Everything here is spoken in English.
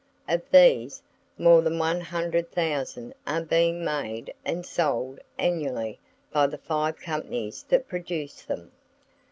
Of these, more than one hundred thousand are being made and sold annually by the five companies that produce them.